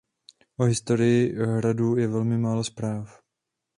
O historii hradu je velmi málo zpráv.